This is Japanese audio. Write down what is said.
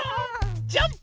ジャンプ！